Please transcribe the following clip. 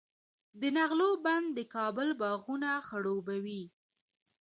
د نغلو بند د کابل باغونه خړوبوي.